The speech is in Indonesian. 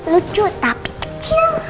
lucu tapi kecil